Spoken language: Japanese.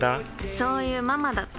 そういうママだって。